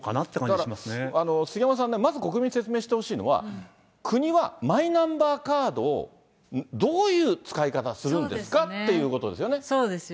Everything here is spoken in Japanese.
だから、杉山さんね、まず国民に説明してほしいのは、国はマイナンバーカードをどういう使い方するんですかっていうことですそうですよね。